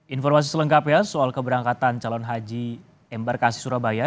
informasi selengkapnya soal keberangkatan calon haji embarkasi surabaya